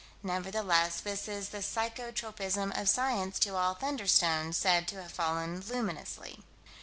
Nevertheless this is the psycho tropism of science to all "thunderstones" said to have fallen luminously.